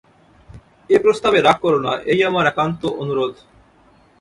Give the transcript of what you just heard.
এ প্রস্তাবে রাগ কোরো না এই আমার একান্ত অনুরোধ।